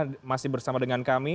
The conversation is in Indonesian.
jawa tengah masih bersama dengan kami